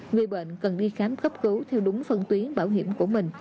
người bệnh cần đi khám cấp cứu theo đúng phân tuyến bảo hiểm của mình